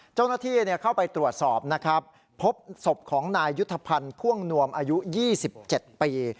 เจ้าหน้าที่เข้าไปตรวจสอบนะครับพบศพของนายยุทธภัณฑ์พ่วงนวมอายุ๒๗ปี